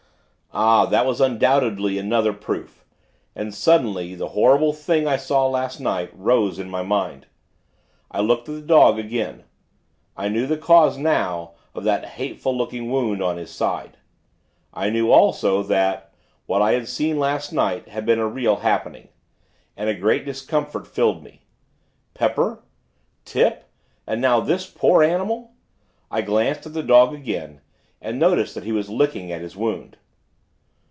Ah! that was undoubtedly another proof; and, suddenly, the horrible Thing I saw last night, rose in my mind. I looked at the dog, again. I knew the cause, now, of that hateful looking wound on his side I knew, also, that, what I had seen last night, had been a real happening. And a great discomfort filled me. Pepper! Tip! And now this poor animal ...! I glanced at the dog again, and noticed that he was licking at his wound.